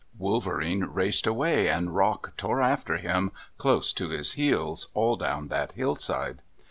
Wolverene raced away and Rock tore after him, close to his heels, all down that hillside.